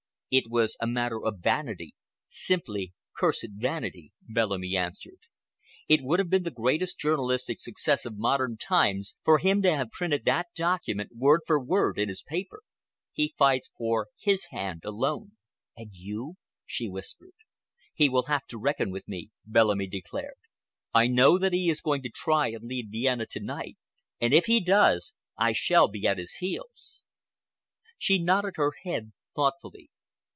"It was a matter of vanity—simply cursed vanity," Bellamy answered. "It would have been the greatest journalistic success of modern times for him to have printed that document, word for word, in his paper. He fights for his own hand alone." "And you?" she whispered. "He will have to reckon with me," Bellamy declared. "I know that he is going to try and leave Vienna to night, and if he does I shall be at his heels." She nodded her head thoughtfully.